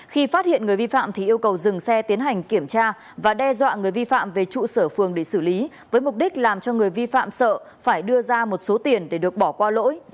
khi phát hiện người vi phạm thì yêu cầu dừng xe tiến hành kiểm tra và đe dọa người vi phạm về trụ sở phường để xử lý với mục đích làm cho người vi phạm sợ phải đưa ra một số tiền để được bỏ qua lỗi